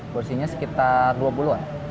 porsinya sekitar dua puluh an